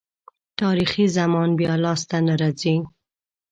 تاریخي زمان بیا لاسته نه راځي.